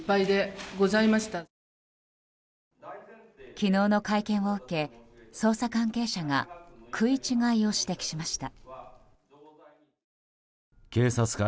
昨日の会見を受け捜査関係者が食い違いを指摘しました。